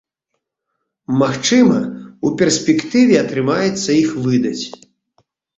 Магчыма, у перспектыве атрымаецца іх выдаць.